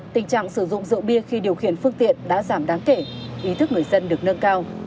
tình trạng sử dụng rượu bia khi điều khiển phương tiện đã giảm đáng kể ý thức người dân được nâng cao